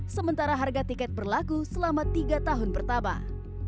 sementara harga tiket berlaku selama tiga tahun bertambah